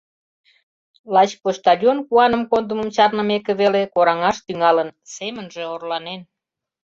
Лач почтальон куаным кондымым чарнымеке веле кораҥаш тӱҥалын, семынже орланен.